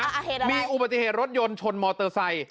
อ่าเหตุอะไรมีอุบัติเหตุรถยนต์ชนมอเตอร์ไซค์